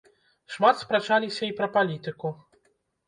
Шмат спрачаліся і пра палітыку.